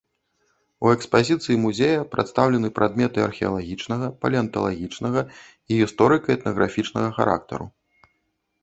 У экспазіцыі музея прадстаўлены прадметы археалагічнага, палеанталагічнага і гісторыка- этнаграфічнага характару.